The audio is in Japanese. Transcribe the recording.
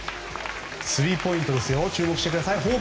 スリーポイント注目してください。